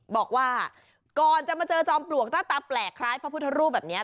บอกว่าก่อนจะมาเจอจอมปลวกหน้าตาแปลกคล้ายพระพุทธรูปแบบนี้